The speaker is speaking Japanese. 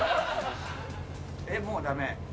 ・もうダメ？